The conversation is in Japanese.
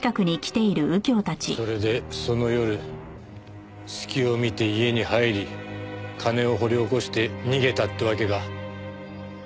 それでその夜隙を見て家に入り金を掘り起こして逃げたってわけか。